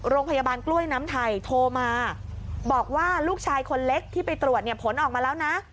โรงพยาบาลกล้วยน้ำไทยโทรมาบอกว่าลูกชายคนเล็กที่ไปตรวจเนี่ยผลออกมาแล้วนะ